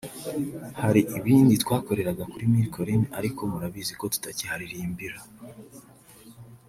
hari ibindi twakoreraga kuri Mille Collines ariko murabizi ko tutakiharirimbira